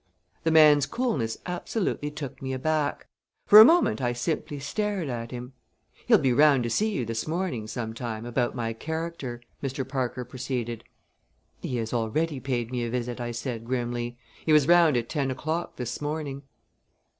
The man's coolness absolutely took me aback. For a moment I simply stared at him. "He'll be round to see you this morning, sometime, about my character," Mr. Parker proceeded. "He has already paid me a visit," I said grimly. "He was round at ten o'clock this morning."